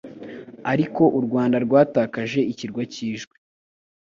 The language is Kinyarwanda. Ariko u Rwanda rwatakaje ikirwa cy' ijwi,